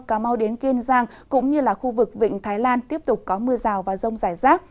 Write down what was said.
cà mau đến kiên giang cũng như là khu vực vịnh thái lan tiếp tục có mưa rào và rông rải rác